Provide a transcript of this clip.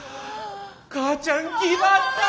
母ちゃんぎばった！